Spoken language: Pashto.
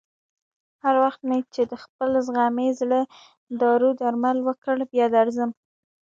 هر وخت مې چې د خپل زخمي زړه دارو درمل وکړ، بیا درځم.